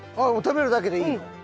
あっ食べるだけでいいの？